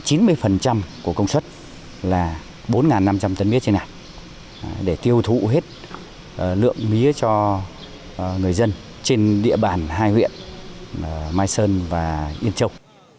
cái phần trăm của công suất là bốn năm trăm linh tấn mía trên ngày để tiêu thụ hết lượng mía cho người dân trên địa bàn hai huyện mai sơn và yên châu